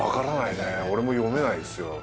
俺も読めないっすよ。